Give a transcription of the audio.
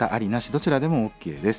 どちらでもＯＫです。